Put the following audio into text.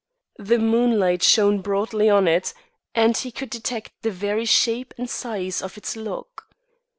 The moonlight shone broadly on it, and he could detect the very shape and size of its lock.